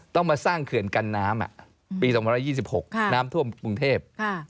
ต้องมาสร้างเขื่อนกันน้ำปี๒๒๖น้ำท่วมกรุงเทพ